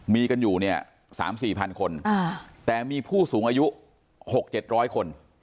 มีกันอยู่เนี่ย๓๔๐๐คนแต่มีผู้สูงอายุ๖๗๐๐คน